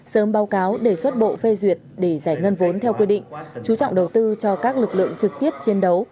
sớm báo cáo đề xuất bộ phê duyệt để giải ngân vốn theo quy định chú trọng đầu tư cho các lực lượng trực tiếp chiến đấu